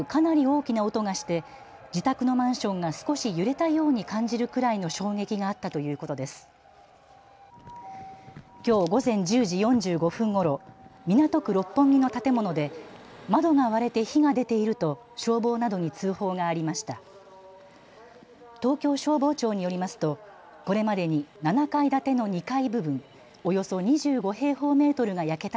きょう午前１０時４５分ごろ港区六本木の建物で窓が割れて火が出ていると消防などに通報がありました。